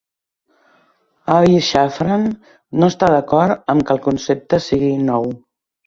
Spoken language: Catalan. Avi Shafran no està d'acord amb que el concepte sigui nou.